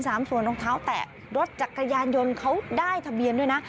ภายใจตามส่วนองค์เท้าแตะรถจักรยานยนตร์เขาได้ทะเบียนด้วยนะ